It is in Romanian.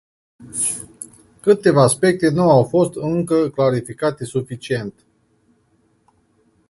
Câteva aspecte nu au fost încă clarificate suficient.